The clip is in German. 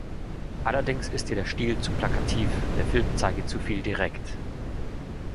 Allerdings ist ihr der Stil zu plakativ, der Film zeige zu viel direkt.